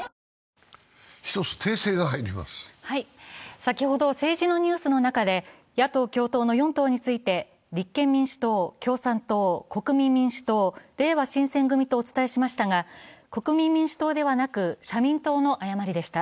先ほど政治のニュースの中で野党共党の４党について、共産党、国民民主党、れいわ新選組とお伝えしましたが、国民民主党ではなく社民党の誤りでした。